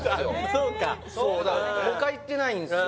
そうか他行ってないんすよ